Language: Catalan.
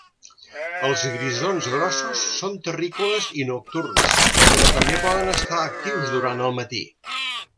Els grisons grossos són terrícoles i nocturns, però també poden estar actius durant el matí.